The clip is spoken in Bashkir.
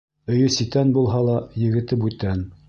Өйө ситән булһа ла, егете бүтән.